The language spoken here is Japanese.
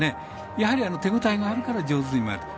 やはり手応えがあるから上手に回る。